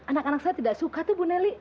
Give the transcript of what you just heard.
anak anak saya tidak suka tuh bu neli